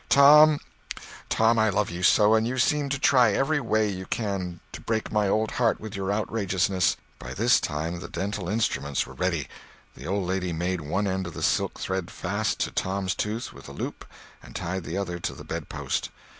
Tom, Tom, I love you so, and you seem to try every way you can to break my old heart with your outrageousness." By this time the dental instruments were ready. The old lady made one end of the silk thread fast to Tom's tooth with a loop and tied the other to the bedpost.